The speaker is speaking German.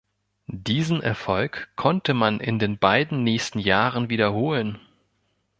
Diesen Erfolg konnte man in den beiden nächsten Jahren wiederholen.